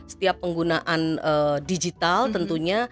setiap penggunaan digital tentunya